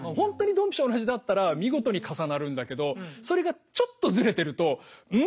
同じだったら見事に重なるんだけどそれがちょっとズレてると「ん？」